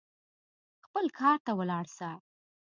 خپل کار ته ولاړ سه.